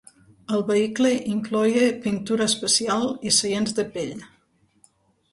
El vehicle incloïa pintura especial i seients de pell.